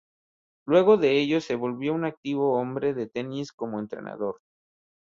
Luego de ello se volvió un activo hombre del tenis como entrenador.